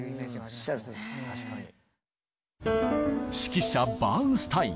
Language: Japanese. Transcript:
指揮者バーンスタイン。